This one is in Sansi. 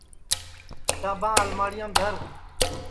کِتاباں الماڑِیام دھر